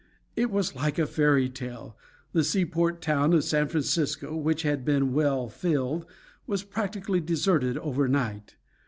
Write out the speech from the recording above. It was like a fairy tale. The seaport town of San Francisco, which had been well filled, was practically deserted overnight.